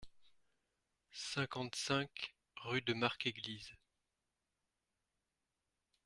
cinquante-cinq rue de Marqueglise